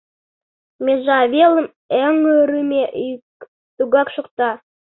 Межа велым эҥырыме йӱк тугак шокта.